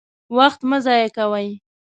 وخت مه ضايع کوئ!